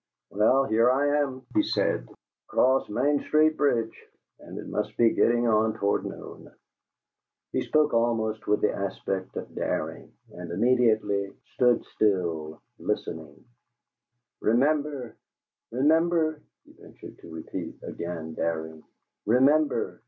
"Well, here I am," he said. "Across Main Street bridge and it must be getting on toward noon!" He spoke almost with the aspect of daring, and immediately stood still, listening. "'REMEMBER,"' he ventured to repeat, again daring, "'REMEMBER!